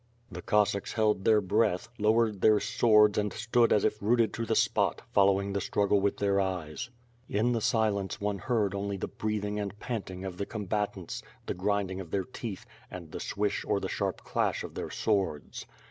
WITH FlliE AA7) .SWORD. 229 The Cossacks held their breath, lowered their swords and stood as if rooted to the spot, following the struggle with their eyes. In the silence, one heard only the breathing and panting of the combatants, the grinding of their teeth, and the swish or the sharp clash of their sw^ords.